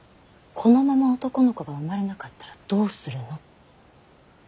このまま男の子が生まれなかったらどうするの。